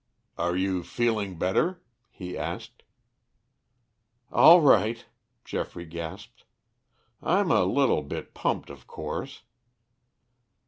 "Are you feeling better?" he asked. "All right," Geoffrey gasped. "I'm a little bit pumped, of course."